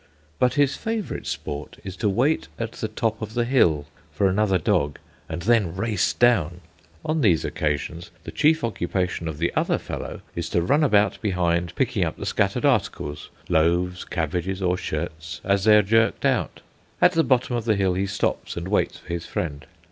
But his favourite sport is to wait at the top of the hill for another dog, and then race down. On these occasions the chief occupation of the other fellow is to run about behind, picking up the scattered articles, loaves, cabbages, or shirts, as they are jerked out. At the bottom of the hill, he stops and waits for his friend.